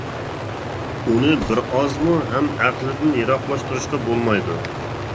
ئۇنى بىر ئازمۇ ھەم ئەقىلدىن يىراقلاشتۇرۇشقا بولمايدۇ.